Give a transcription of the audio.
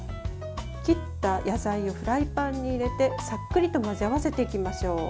切った野菜をフライパンに入れてさっくりと混ぜ合わせていきましょう。